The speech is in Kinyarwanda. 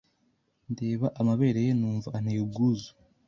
ndeba amabere ye, numva anteye ubwuzu.